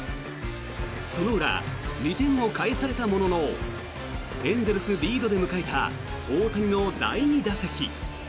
その裏、２点を返されたもののエンゼルスリードで迎えた大谷の第２打席。